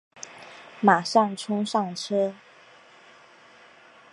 马上冲上车